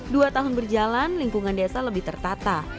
dua tahun berjalan lingkungan desa lebih tertata